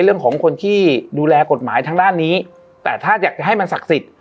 เรื่องของคนที่ดูแลกฎหมายทางด้านนี้แต่ถ้าอยากให้มันศักดิ์สิทธิ์